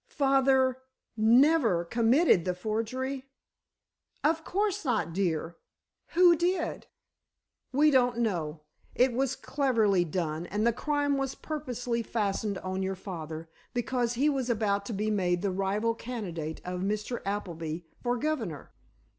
"Father never committed the forgery?" "Of course not, dear." "Who did?" "We don't know. It was cleverly done, and the crime was purposely fastened on your father, because he was about to be made the rival candidate of Mr. Appleby, for governor."